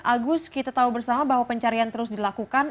agus kita tahu bersama bahwa pencarian terus dilakukan